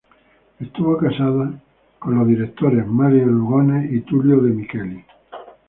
Estuvo casada con los directores Mario Lugones y Tulio Demicheli.